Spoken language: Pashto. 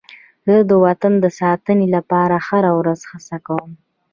زه د وطن د ساتنې لپاره هره ورځ هڅه کوم.